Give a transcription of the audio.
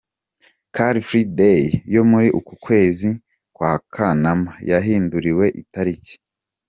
Car Free Day yo muri uku kwezi kwa Kanama yahinduriwe itariki….